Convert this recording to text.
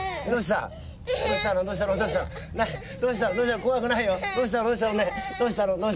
どうしたの？